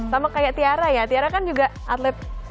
sama kayak tiara ya tiara kan juga atlet